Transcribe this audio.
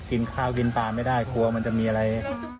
กินข้าวกินปลาไม่ได้กลัวมันจะมีอะไร